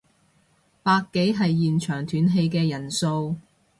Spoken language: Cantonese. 百幾係現場斷氣嘅人數